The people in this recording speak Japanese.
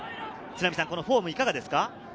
このフォームいかがですか？